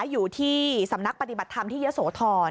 อยู่ที่สำนักปฏิบัติธรรมที่เยอะโสธร